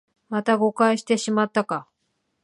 また誤解してしまったか